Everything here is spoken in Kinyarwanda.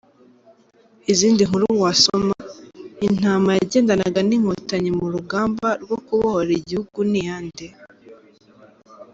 Izindi nkuru wasoma: Intama yagendanaga n’Inkotanyi mu rugamba rwo kubohora igihugu ni iyande?.